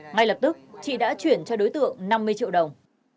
ngay lập tức chị đã chuyển cho đối tượng năm mươi triệu đồng